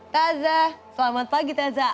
tazah selamat pagi tazah